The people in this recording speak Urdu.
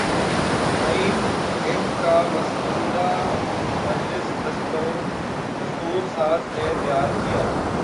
آئین ہند کا مسودہ مجلس دستور ساز نے تیار کیا